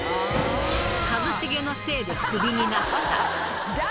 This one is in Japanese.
一茂のせいでクビになった。